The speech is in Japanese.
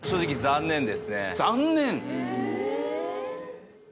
残念？